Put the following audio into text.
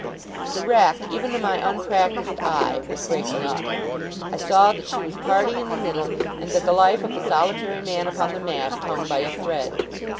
The wreck, even to my unpractised eye, was breaking up. I saw that she was parting in the middle, and that the life of the solitary man upon the mast hung by a thread.